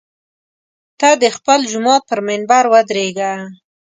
ته د خپل جومات پر منبر ودرېږه.